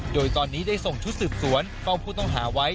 โดยตอนนี้ได้ส่งชุดสืบสวนเฝ้าผู้ต้องหาไว้